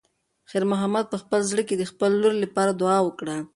خیر محمد په خپل زړه کې د خپلې لور لپاره دعا وکړه.